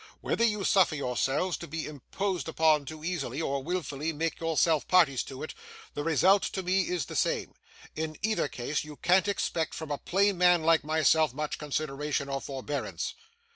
Whether you suffer yourselves to be imposed upon too easily, or wilfully make yourselves parties to it, the result to me is the same. In either case, you can't expect from a plain man like myself much consideration or forbearance.